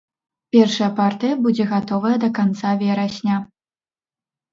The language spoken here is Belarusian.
Першая партыя будзе гатовая да канца верасня.